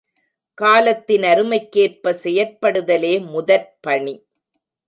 காலத்தின் அருமைக்கேற்ப செயற்படுதலே முதற்பணி.